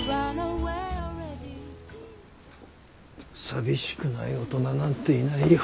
寂しくない大人なんていないよ。